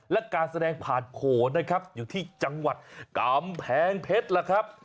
และการแสดงผ่านโขนนะครับอยู่ที่จังหวัดกำแพงเพชรล่ะครับ